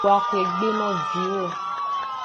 Do axwegbe no viwo.